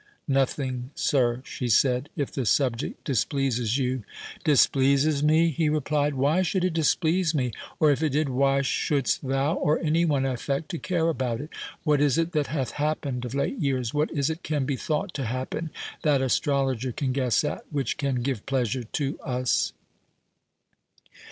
"Nothing, sir," she said, "if the subject displeases you." "Displeases me?" he replied, "why should it displease me? or if it did, why shouldst thou, or any one, affect to care about it? What is it that hath happened of late years—what is it can be thought to happen that astrologer can guess at, which can give pleasure to us?"